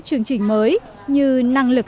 chương trình mới như năng lực